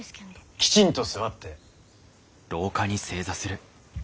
きちんと座って。